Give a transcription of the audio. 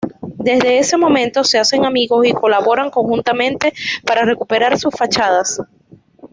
Desde ese momento se hacen amigos y colaboran conjuntamente para recuperar sus fachadas.